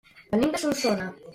Venim de Solsona.